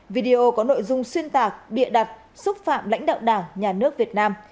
video có nội dung xuyên tạc bịa đặt xúc phạm lãnh đạo đảng nhà nước việt nam